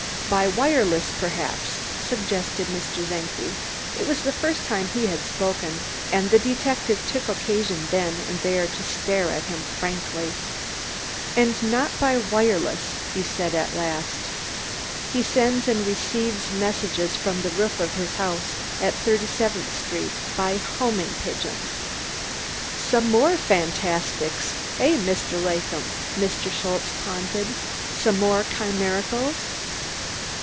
"By wireless, perhaps?" suggested Mr. Czenki. It was the first time he had spoken, and the detective took occasion then and there to stare at him frankly. "And not by wireless," he said at last. "He sends and receives messages from the roof of his house in Thirty seventh Street by homing pigeons!" "Some more fandastics, eh, Laadham?" Mr. Schultze taunted. "Some more chimericals?"